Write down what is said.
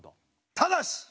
ただし！